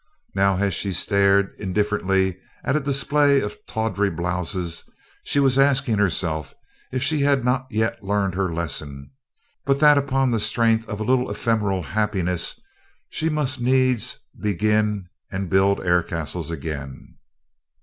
Now, as she stared indifferently at a display of tawdry blouses, she was asking herself if she had not yet learned her lesson, but that upon the strength of a little ephemeral happiness she must needs begin and build air castles again.